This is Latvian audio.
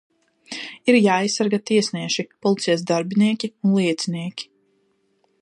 Ir jāaizsargā tiesneši, policijas darbinieki un liecinieki.